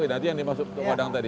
nanti yang dimaksud ke wadang tadi